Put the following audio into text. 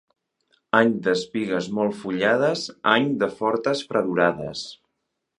Any d'espigues molt fullades, any de fortes fredorades.